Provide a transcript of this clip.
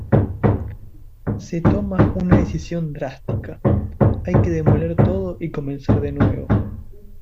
Se toma una decisión drástica: hay que demoler todo y comenzar de nuevo.